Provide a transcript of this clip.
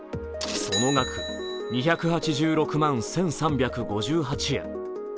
その額、２８６万１３５８円。